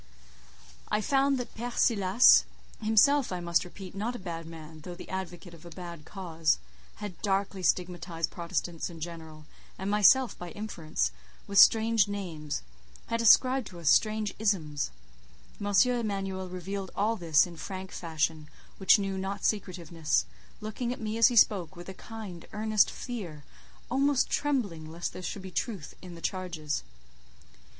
I found that Père Silas (himself, I must repeat, not a bad man, though the advocate of a bad cause) had darkly stigmatized Protestants in general, and myself by inference, with strange names, had ascribed to us strange "isms;" Monsieur Emanuel revealed all this in his frank fashion, which knew not secretiveness, looking at me as he spoke with a kind, earnest fear, almost trembling lest there should be truth in the charges.